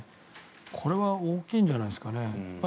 これは大きいんじゃないですかね。